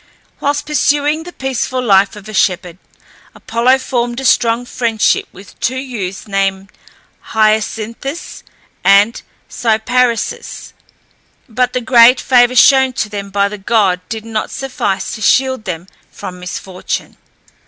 Whilst pursuing the peaceful life of a shepherd, Apollo formed a strong friendship with two youths named Hyacinthus and Cyparissus, but the great favour shown to them by the god did not suffice to shield them from misfortune.